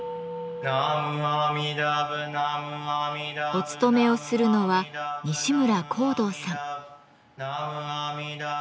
お勤めをするのは西村宏堂さん。